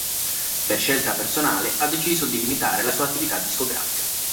Per scelta personale ha deciso di limitare la sua attività discografica.